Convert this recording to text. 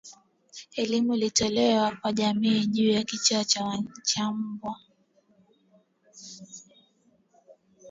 Elimu itolewe kwa jamii juu ya kichaa cha mbwa